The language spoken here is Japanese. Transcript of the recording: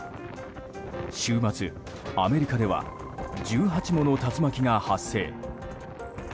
週末、アメリカでは１８もの竜巻が発生。